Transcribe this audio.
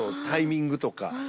タイミングとか。